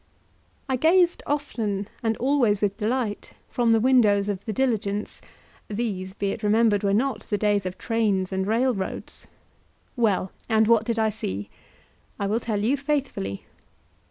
I gazed often, and always with delight, from the window of the diligence (these, be it remembered, were not the days of trains and railroads). Well! and what did I see? I will tell you faithfully.